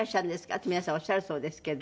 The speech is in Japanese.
と皆さんおっしゃるそうですけど。